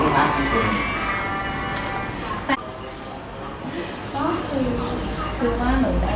มันเป็นทีมที่